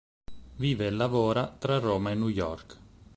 Vive e lavora tra Roma e New York.